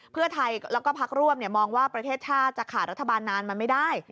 เพื่อไทยแล้วก็พักร่วมมองว่าประเทศชาติจะขาดรัฐบาลนานมันไม่ได้